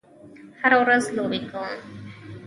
هره ورځ لوبې کوم